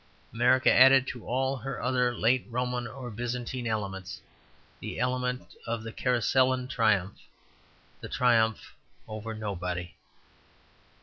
America added to all her other late Roman or Byzantine elements the element of the Caracallan triumph, the triumph over nobody.